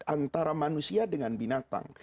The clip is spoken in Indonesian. antara manusia dengan binatang